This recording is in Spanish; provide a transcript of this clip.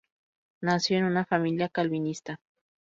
Nació en una familia calvinista.